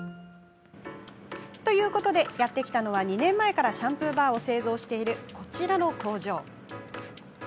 ということで、やって来たのは２年前からシャンプーバーを製造している、こちらの工場。